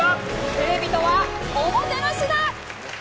テレビとはおもてなしだ。